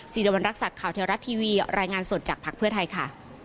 วรรณรักษัตริย์ข่าวเทวรัฐทีวีรายงานสดจากภักดิ์เพื่อไทยค่ะ